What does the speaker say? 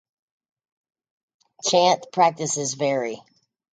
Chant practices vary.